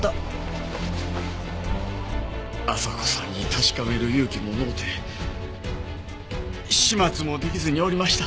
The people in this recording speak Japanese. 朝子さんに確かめる勇気ものうて始末も出来ずにおりました。